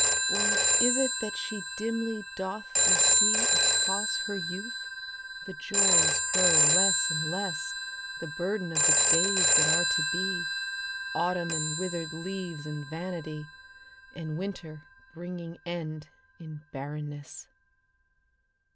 Or is it that she dimly doth foresee Across her youth the joys grow less and less The burden of the days that are to be: Autumn and withered leaves and vanity, And winter bringing end in barrenness.